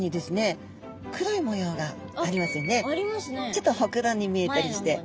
ちょっとほくろに見えたりして。